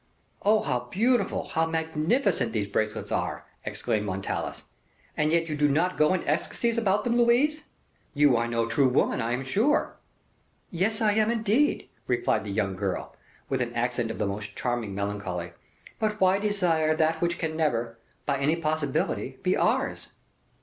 "Oh, how beautiful, how magnificent these bracelets are!" exclaimed Montalais; "and yet you do not go into ecstasies about them, Louise! You are no true woman, I am sure." "Yes, I am, indeed," replied the young girl, with an accent of the most charming melancholy; "but why desire that which can never, by any possibility, be ours?"